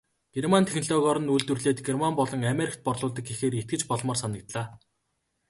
Герман технологиор нь үйлдвэрлээд Герман болон Америкт борлуулдаг гэхээр итгэж болмоор санагдлаа.